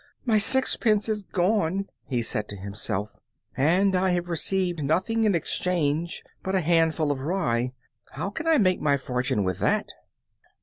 "My sixpence is gone," he said to himself, "and I have received nothing in exchange but a handful of rye! How can I make my fortune with that?"